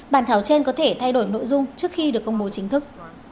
bản thảo trên có thể thay đổi nội dung trước khi được công bố chính thức